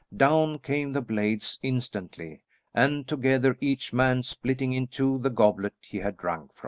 Down came the blades instantly and together, each man splitting in two the goblet he had drunk from.